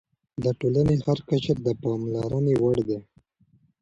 د ټولنې هر قشر د پاملرنې وړ دی.